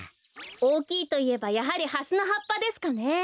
おおきいといえばやはりハスのはっぱですかね。